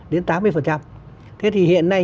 đến tám mươi thế thì hiện nay